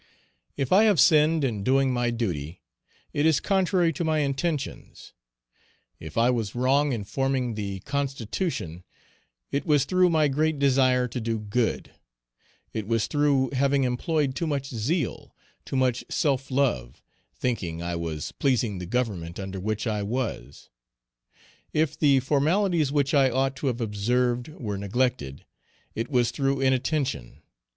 If I have sinned in doing my duty, it is contrary to my intentions; if I was wrong in forming the constitution, it was through my great desire to do good; it was through having employed too much zeal, too much self love, thinking I was pleasing the Government under which I was; if the formalities which I ought to have observed were neglected, it was through inattention.